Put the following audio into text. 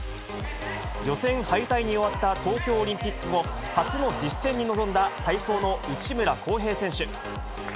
予選敗退に終わった東京オリンピック後、初の実戦に臨んだ体操の内村航平選手。